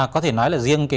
có thể nói là riêng